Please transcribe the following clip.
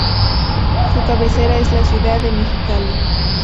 Su cabecera es la ciudad de Mexicali.